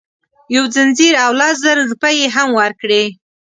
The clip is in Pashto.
یو ځنځیر او لس زره روپۍ یې هم ورکړې.